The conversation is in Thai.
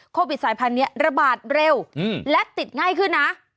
โควิดสายพันธุ์นี้ระบาดเร็วและติดง่ายขึ้นนะ